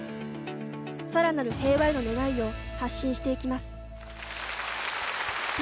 更なる平和への願いを発信していきます